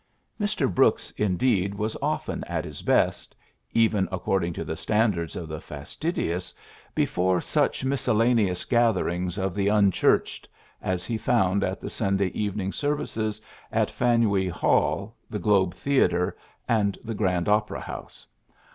Mr. Brooks indeed was often at his best even according to the standards of the fastidious before such miscellaneous gatherings of the ^^ unchurched" as he found at the Sunday evening services at Faneuil Hall, the Globe Theatre, and the Grand Opera House.